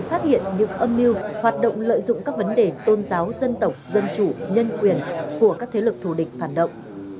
âm mưu hoạt động lợi dụng các vấn đề tôn giáo dân tộc dân chủ nhân quyền của các thế lực thù địch phản động